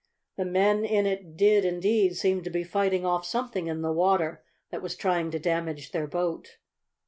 The men in it did, indeed, seem to be fighting off something in the water that was trying to damage their boat.